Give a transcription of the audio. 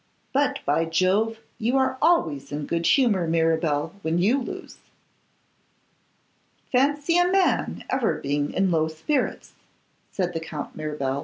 But, by Jove! you are always in good humour, Mirabel, when you lose.' 'Fancy a man ever being in low spirits,' said the Count Mirabel.